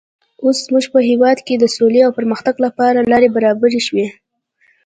اوس زموږ په هېواد کې د سولې او پرمختګ لپاره لارې برابرې شوې.